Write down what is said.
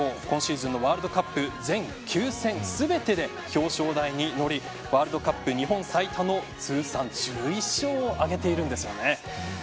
今シーズンのワールドカップ全９戦、全てで表彰台に乗りワールドカップ日本最多の通算１１勝を挙げています。